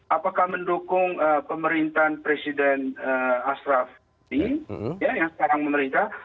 apakah mendukung pemerintahan presiden ashraf ghani yang sekarang pemerintah